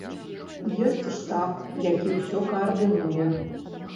Ёсць штаб, які ўсё каардынуе.